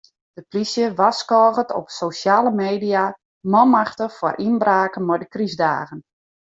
De plysje warskôget op sosjale media manmachtich foar ynbraken mei de krystdagen.